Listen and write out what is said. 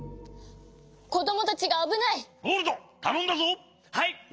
こどもたちがあぶない！